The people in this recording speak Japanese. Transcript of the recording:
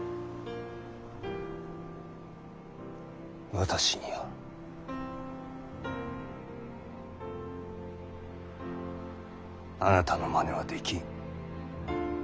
私にはあなたのまねはできん。